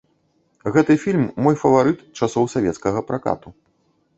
Гэты фільм мой фаварыт часоў савецкага пракату.